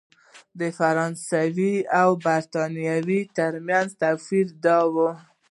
د فرانسې او برېټانیا ترمنځ توپیر دا و.